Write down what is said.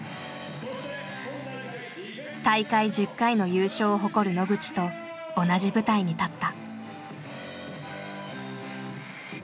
大会１０回の優勝を誇る野口と同じ舞台に立った。